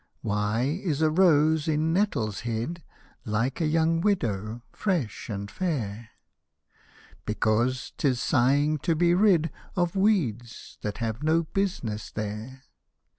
" Why is a rose in nettles hid " Like a young widow, fresh and fair ?" Because 'tis sighing to be rid Of weeds, that " have no business there